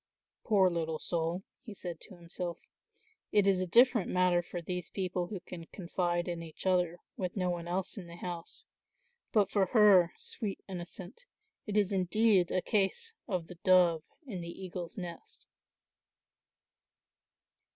"Poor little soul," he said to himself, "it is a different matter for these people who can confide in each other, with no one else in the house; but for her, sweet innocent, it is indeed a case of the dove in the eagle's nest."